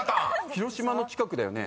「広島」の近くだよね。